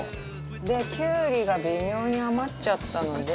できゅうりが微妙に余っちゃったので。